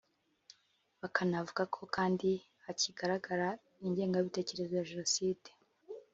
bakanavuga ko kandi hakigaragara ingengabitekerezo ya Jenoside